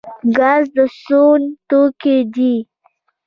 ګاز د سون توکی دی